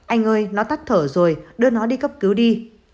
anh ơi nó tắt thở rồi đưa nó đi cấp cứu đi